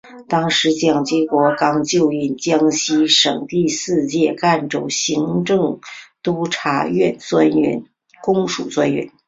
当时蒋经国刚就任江西省第四区赣州行政督察专员公署专员。